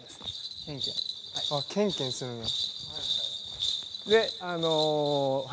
ケンケンするんや。